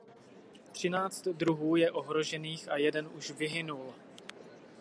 Třináct druhů je ohrožených a jeden už vyhynul.